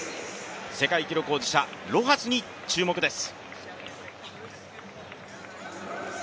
世界記録保持者、ロハスに注目です